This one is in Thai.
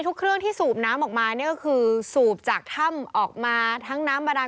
เครื่องที่สูบน้ำออกมาเนี่ยก็คือสูบจากถ้ำออกมาทั้งน้ำบาดาน